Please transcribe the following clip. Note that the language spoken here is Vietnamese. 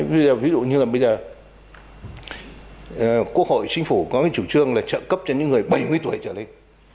ví dụ như là bây giờ quốc hội chính phủ có cái chủ trương là trợ cấp cho những người bảy mươi tuổi trở lên